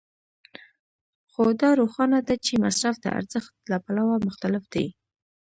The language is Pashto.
خو دا روښانه ده چې مصرف د ارزښت له پلوه مختلف دی